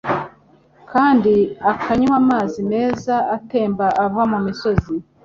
kandi akanywa amazi meza atemba ava mu misozi.